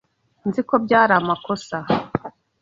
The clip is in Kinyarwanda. Nzi ko byari amakosa.